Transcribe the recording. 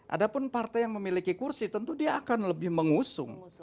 ada pun partai yang memiliki kursi tentu dia akan lebih mengusung